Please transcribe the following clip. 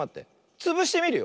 つぶしてみるよ。